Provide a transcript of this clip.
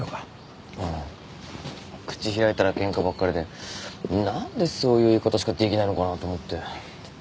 あっ口開いたらケンカばっかりで何でそういう言い方しかできないのかなと思って。